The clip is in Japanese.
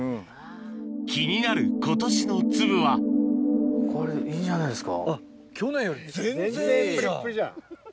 気になる今年の粒はこれいいんじゃないですか？